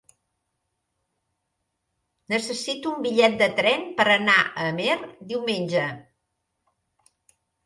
Necessito un bitllet de tren per anar a Amer diumenge.